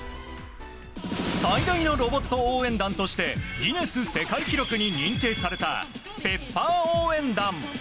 最大のロボット応援団としてギネス世界記録に認定されたＰｅｐｐｅｒ応援団。